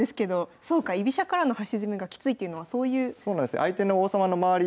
そうか居飛車からの端攻めがきついっていうのはそういう。